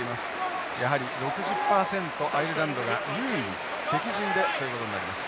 やはり６０％アイルランドが優位に敵陣でということになります。